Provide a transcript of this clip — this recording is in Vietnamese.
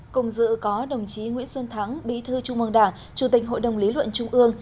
cùng dự có đồng chí nguyễn xuân thắng bí thư trung mương đảng chủ tịch hội đồng lý luận trung ương